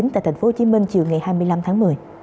tại tp hcm chiều ngày hai mươi năm tháng một mươi